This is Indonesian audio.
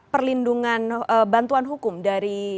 perlindungan bantuan hukum dari